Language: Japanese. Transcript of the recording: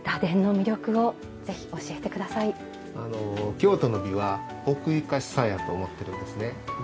京都の美は奥ゆかしさやと思ってるんですね。